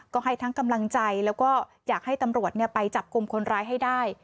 ก็ให้ทั้งกำลังใจแล้วก็อยากให้ตำรวจไปจับกลุ่มคนร้ายให้ได้